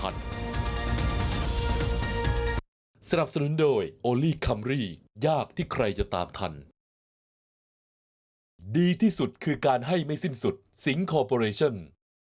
ดีที่สุดคือการให้ไม่สิ้นสุดสิงค์คอร์ปอเรชเช่น